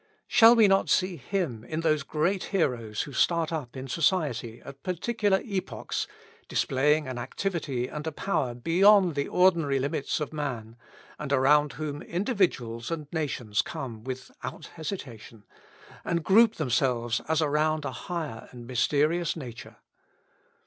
Shall not we see Him in those great heroes who start up in society, at particular epochs, displaying an activity and a power beyond the ordinary limits of man, and around whom individuals and nations come without hesitation, and group themselves as around a higher and mysterious nature?